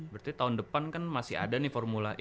berarti tahun depan kan masih ada nih formula e